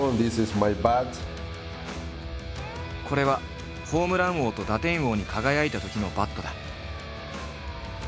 これはホームラン王と打点王に輝いたときのバットだ。